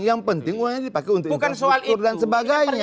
yang penting uangnya dipakai untuk infrastruktur dan sebagainya